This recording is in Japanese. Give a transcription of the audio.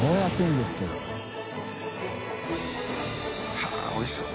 はぁっおいしそう。